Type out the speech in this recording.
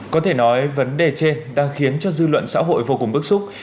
có thể nói vấn đề trên đang khiến cho dư luận xã hội vô cùng bức xúc